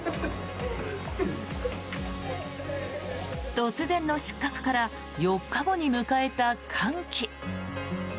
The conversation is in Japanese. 突然の失格から４日後に迎えた歓喜。